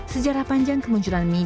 sejarah panjang kemunculan mie